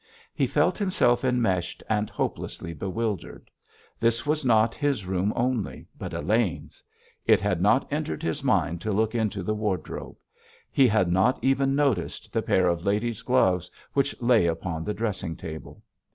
He felt himself enmeshed and hopelessly bewildered. This was not his room only, but Elaine's. It had not entered his mind to look into the wardrobe; he had not even noticed the pair of ladies' gloves which lay upon the dressing table.